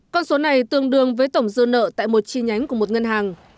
con số này tương đương với tổng dư nợ tại một chi nhánh của một ngân hàng